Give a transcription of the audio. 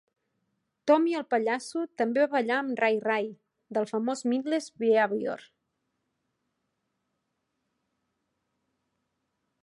Tommy el pallasso també va ballar amb Ray Ray, del famós Mindless Behavior.